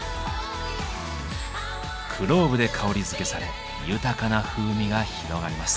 クローブで香りづけされ豊かな風味が広がります。